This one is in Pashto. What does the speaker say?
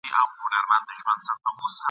نور به نه ملوک سم نه د اوسپني څپلۍ لرم ..